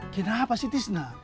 kenapa sih tisna